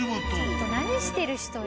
ちょっと何してる人よ。